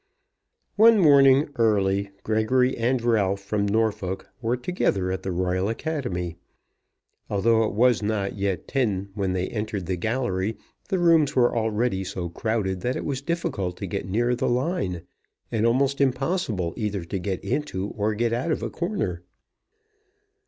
One morning, early, Gregory and Ralph from Norfolk were together at the Royal Academy. Although it was not yet ten when they entered the gallery, the rooms were already so crowded that it was difficult to get near the line, and almost impossible either to get into or to get out of a corner.